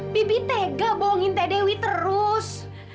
bi bi tega bohongin teh dewi terus